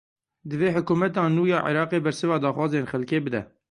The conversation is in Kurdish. Divê hikûmeta nû ya Iraqê bersiva daxwazên xelkê bide.